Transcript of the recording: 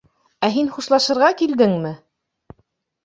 Ә һин хушлашырға килдеңме?